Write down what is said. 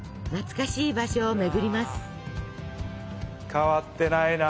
変わってないな。